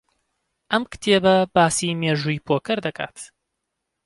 ئەم کتێبە باسی مێژووی پۆکەر دەکات.